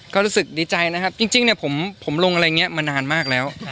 ก็รู้สึกดีใจนะครับจริงเนี่ยผมลงอะไรอย่างนี้มานานมากแล้ว